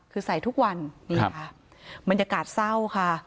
คือใส่ทุกวันมันยากาศเศร้าค่ะ